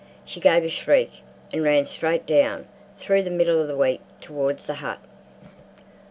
She gave a shriek and ran straight down, through the middle of the wheat, towards the hut.